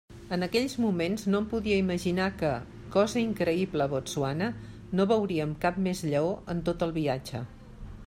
En aquells moments no em podia imaginar que, cosa increïble a Botswana, no veuríem cap més lleó en tot el viatge.